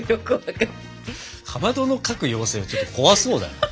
かまどの描く妖精はちょっと怖そうだな。